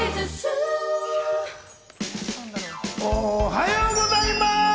おはようございます！